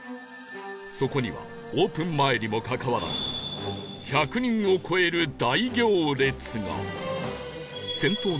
そこにはオープン前にもかかわらず１００人を超える大行列が